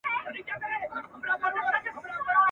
که نجوني زده کړي وکړي، ټولنه نور هم پرمختګ کوي.